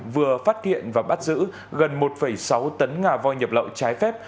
vừa phát hiện và bắt giữ gần một sáu tấn ngà voi nhập lậu trái phép